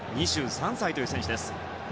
２３歳という選手です。